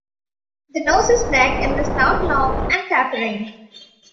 The nose is black and the snout long and tapering.